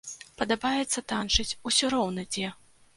Падабаецца танчыць, усё роўна дзе.